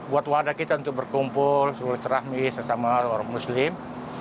buat wadah kita untuk berkumpul seluruh cerahmi sesama orang muslim